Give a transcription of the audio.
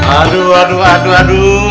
aduh aduh aduh aduh